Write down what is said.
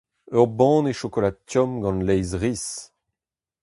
Ur banne chokolad tomm gant laezh riz.